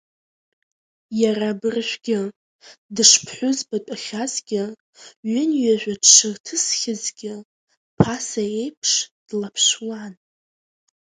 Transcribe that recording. Иара абыржәгьы, дышԥҳәызбатәахьазгьы, ҩынҩажәа дшырҭысхьазгьы, ԥаса еиԥш длаԥшуан.